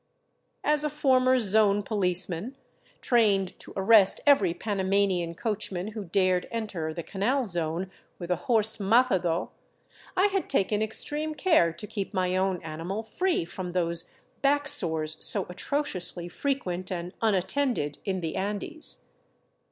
As a former Zone Policeman, trained to arrest every Panamanian coachman who dared enter the Canal Zone with a horse matado, I had taken extreme care to keep my own animal free from those back sores so atrociously frequent and un attended in the Andes.